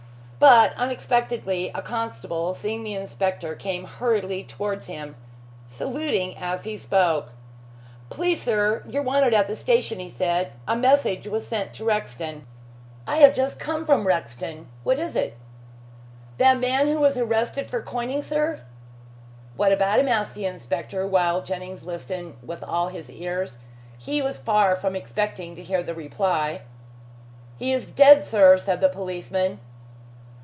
But, unexpectedly, a constable seeing the inspector, came hurriedly towards him, saluting as he spoke. "Please, sir, you're wanted at the station," he said. "A message was sent to Rexton." "I have just come from Rexton. What is it?" "That man who was arrested for coining, sir?" "What about him?" asked the inspector, while Jennings listened with all his ears. He was far from expecting to hear the reply. "He is dead, sir," said the policeman.